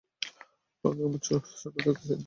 ওকে আমরা ছোট থাকতেই চিনতাম।